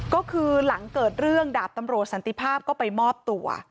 ก็คือหลังเกิดเรื่องดาบตำรวจสันติภาพก็ไปมอบตัว